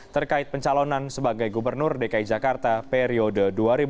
terkait pencalonan sebagai gubernur dki jakarta periode dua ribu tujuh belas dua ribu dua puluh dua